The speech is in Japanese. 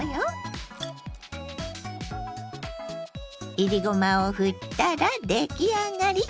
いりごまをふったら出来上がり。